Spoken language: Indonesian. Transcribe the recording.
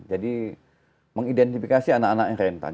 jadi mengidentifikasi anak anak yang rentan